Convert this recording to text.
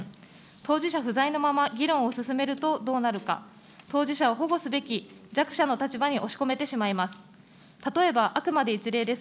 当事者不在のまま議論を進めるとどうなるか、当事者を保護すべき弱者の立場に押し込めてしまいます。